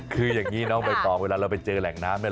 คืออย่างนี้น้องใบตองเวลาเราไปเจอแหล่งน้ำเนี่ย